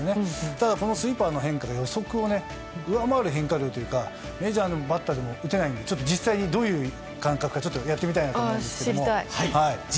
ただ、このスイーパーの変化が予測を上回る変化量というかメジャーのバッターでも打てないんで実際、どういう感覚かちょっとやってみたいなと思うんですけど。